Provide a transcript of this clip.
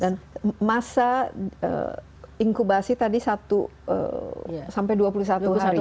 dan masa inkubasi tadi satu sampai dua puluh satu hari